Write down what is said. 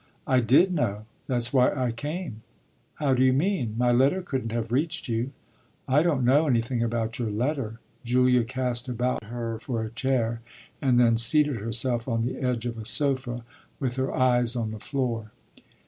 "I did know; that's why I came." "How do you mean? My letter couldn't have reached you." "I don't know anything about your letter," Julia cast about her for a chair and then seated herself on the edge of a sofa with her eyes on the floor.